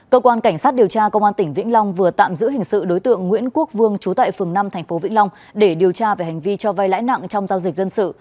cơ quan cảnh sát điều tra công an tỉnh vĩnh long vừa tạm giữ hình sự đối tượng nguyễn quốc vương trú tại phường năm tp vĩnh long để điều tra về hành vi cho vai lãi nặng trong giao dịch dân sự